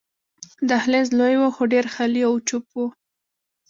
دهلېز لوی وو، خو ډېر خالي او چوپ وو.